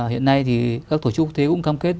hiện nay thì các tổ chức quốc tế cũng cam kết